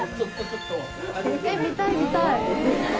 えっ見たい見たい！